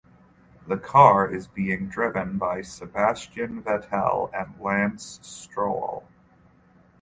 The car is being driven by Sebastian Vettel and Lance Stroll.